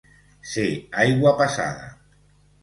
Ser aigua passada.